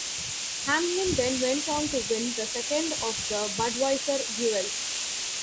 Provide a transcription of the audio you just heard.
Hamlin then went on to win the second of the Budweiser Duels.